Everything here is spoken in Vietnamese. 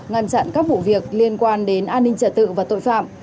ngăn chặn các vụ việc liên quan đến an ninh trật tự và tội phạm